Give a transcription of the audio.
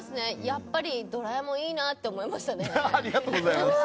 やっぱり、「ドラえもん」いいなって思いましたね。